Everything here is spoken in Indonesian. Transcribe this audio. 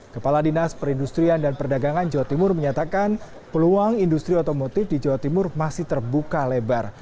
kepala dinas perindustrian dan perdagangan jawa timur menyatakan peluang industri otomotif di jawa timur masih terbuka lebar